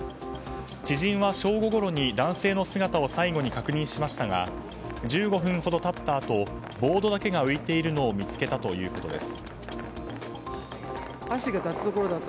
知人は正午ごろに男性の姿を最後に確認しましたが１５分ほど経ったあとボードだけが浮いているのを見つけたということです。